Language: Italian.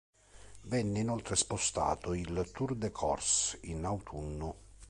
Venne inoltre spostato il Tour de Corse in autunno.